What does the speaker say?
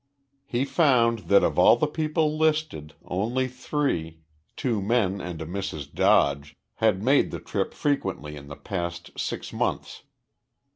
He found that of all the people listed, only three two men and a Mrs. Dodge had made the trip frequently in the past six months.